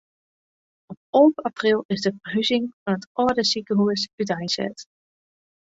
Op alve april is de ferhuzing fan it âlde sikehús úteinset.